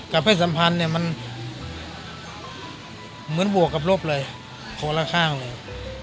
เพศสัมพันธ์เนี่ยมันเหมือนบวกกับลบเลยคนละข้างเลย